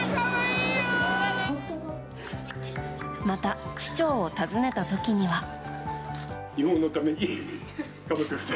また、市長を訪ねた時には。